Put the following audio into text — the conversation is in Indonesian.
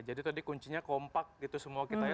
jadi tadi kuncinya kompak gitu semua kita ya